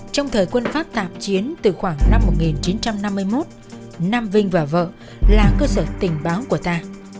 trong thời quân pháp tạm chiến từ khoảng năm một nghìn chín trăm năm mươi một nam vinh và vợ là cơ sở tình báo của ta